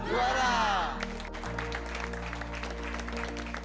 ms baca juara